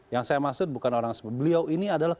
yang saya maksud bukan orang seperti beliau ini adalah